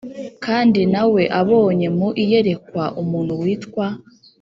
Kandi na we abonye mu iyerekwa umuntu witwa